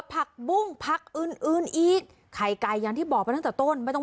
ผักบุ้งผักอื่นอื่นอีกไข่ไก่อย่างที่บอกไปตั้งแต่ต้นไม่ต้อง